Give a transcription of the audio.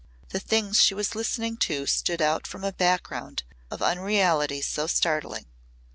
The things she was listening to stood out from a background of unreality so startling.